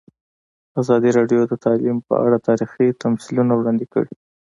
ازادي راډیو د تعلیم په اړه تاریخي تمثیلونه وړاندې کړي.